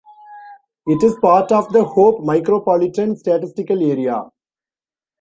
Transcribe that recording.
It is part of the Hope Micropolitan Statistical Area.